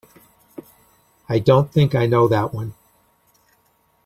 I don't think I know that one.